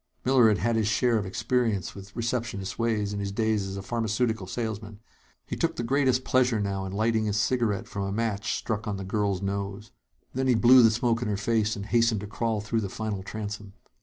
Miller had had his share of experience with receptionists' ways, in his days as a pharmaceutical salesman. He took the greatest pleasure now in lighting his cigarette from a match struck on the girl's nose. Then he blew the smoke in her face and hastened to crawl through the final transom.